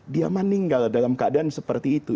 dia meninggal dalam keadaan seperti itu